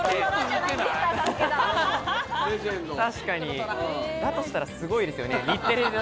たしかに、だとしたらすごいですよね。